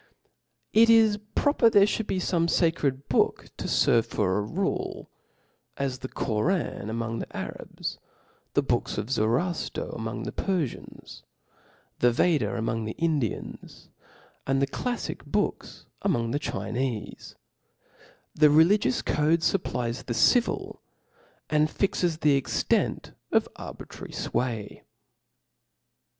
It is proper there ihould be feme facred book to ferve for a rule, as the Koran among the Arabs, the books of Zoroafter among the Perfians, the Vedam among the Indians, and the clalfic Boob among the Chinef<:. The religious code fupplies the civil, and fixes the extent <^ arbitrary fway.